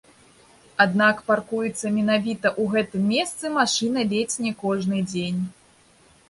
Аднак паркуецца менавіта ў гэтым месцы машына ледзь не кожны дзень.